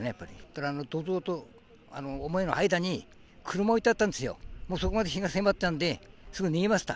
だから、土蔵と母屋の間に、車、置いてあったんですよ、もうそこまで火が迫ってたんで、すぐ逃げました。